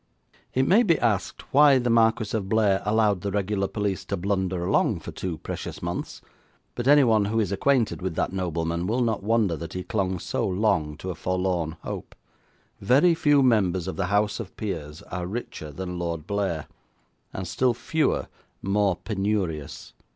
It may be asked why the Marquis of Blair allowed the regular police to blunder along for two precious months, but anyone who is acquainted with that nobleman will not wonder that he clung so long to a forlorn hope. Very few members of the House of Peers are richer than Lord Blair, and still fewer more penurious.